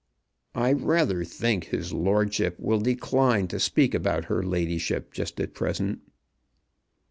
"I rather think his lordship will decline to speak about her ladyship just at present."